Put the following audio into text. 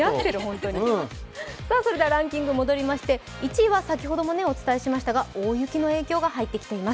それではランキングに戻りましてた、１位は先ほどもお伝えしました大雪の影響が入ってきています。